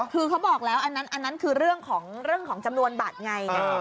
คือเขาบอกแล้วอันนั้นคือเรื่องของจำนวนบัตรไง